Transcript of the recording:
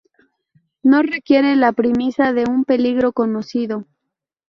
No requiere la premisa de un peligro conocido.